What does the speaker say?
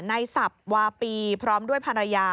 นายศพวาปีพร้อมด้วยภรรยา